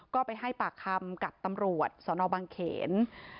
ก็ไปให้ปากคำกับตำรวจสนบังเขน